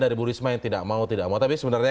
dari bu risma yang tidak mau tidak mau tapi sebenarnya